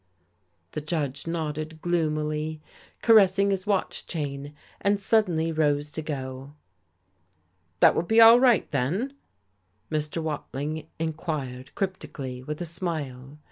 The judge nodded gloomily, caressing his watch chain, and suddenly rose to go. "That will be all right, then?" Mr. Watling inquired cryptically, with a smile.